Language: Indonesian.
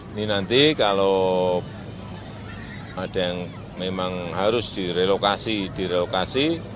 ini nanti kalau ada yang memang harus direlokasi direlokasi